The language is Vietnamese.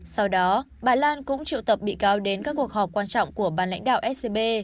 sau đó bà lan cũng triệu tập bị cáo đến các cuộc họp quan trọng của ban lãnh đạo scb